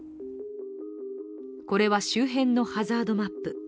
これは周辺のハザードマップ。